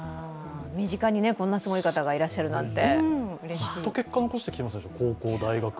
身近にこんなすごい方がいらっしゃるなんて。